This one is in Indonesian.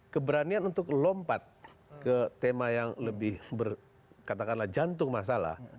keberanian untuk lompat ke tema yang lebih berkatakanlah jantung masalah